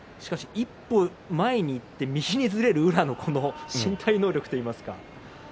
一歩前に出て右にずれる宇良の身体能力といいますか。